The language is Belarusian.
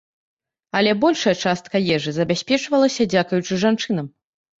Але большая частка ежы забяспечвалася дзякуючы жанчынам.